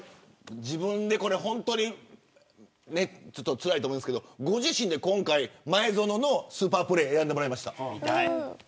自分でつらいと思うんですけどご自身で前園のスーパープレー選んでもらいました。